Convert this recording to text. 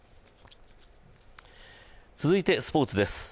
続いてスポーツです。